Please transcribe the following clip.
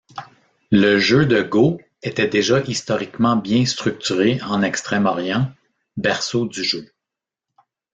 Le jeu de go était déjà historiquement bien structuré en Extrême-Orient, berceau du jeu.